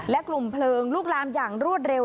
และกลุ่มเพลิงลุกลามอย่างรวดเร็ว